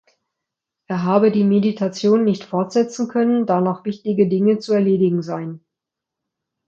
Er habe die Meditation nicht fortsetzen können, da noch wichtige Dinge zu erledigen seien.